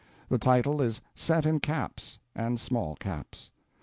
The title is Set in caps. and small caps.